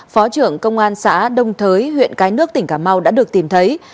phó trưởng công an xã đông thới huyện cái nước tỉnh cà mau đã được tìm thấy